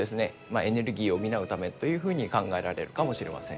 エネルギーを補うためというふうに考えられるかもしれません。